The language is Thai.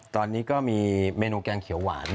ตอนนี้ก็มีเมนูแกงเขียวหวาน